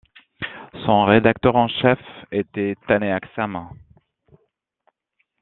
Son rédacteur en chef était Taner Akçam.